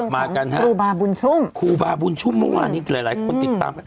มากเรื่องของครูบาบุญชุ่มครูบาบุญชุ่มนี่หลายคนติดตาม